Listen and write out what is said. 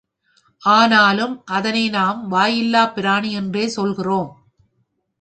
ஆனாலும், அதனை நாம் வாயில்லாப் பிராணி என்றே சொல்கிறோம்.